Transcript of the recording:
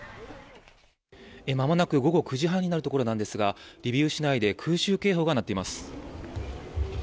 間もなく、午後９時半になるところですがリビウ市内で空襲警報が鳴っています。